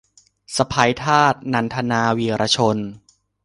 สะใภ้ทาส - นันทนา วีระชน